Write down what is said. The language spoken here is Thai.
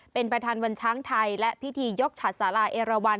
เป็นประธานวันช้างไทยและพิธียกฉัดสาราเอราวัน